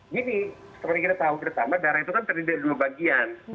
gini seperti kita tahu bersama darah itu kan terdiri dari dua bagian